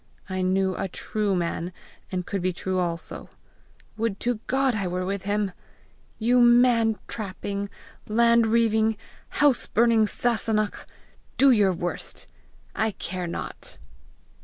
I knew a true man, and could be true also. Would to God I were with him! You man trapping, land reaving, house burning Sasunnach, do your worst! I care not."